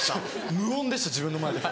無言でした自分の前では。